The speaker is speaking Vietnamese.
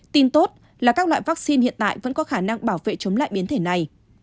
tin tốt là các loại vaccine hiện tại vẫn có khả năng bảo vệ chống lại biến thể này